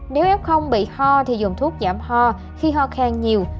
nếu không bị ho thì dùng thuốc giảm ho khi ho khang nhiều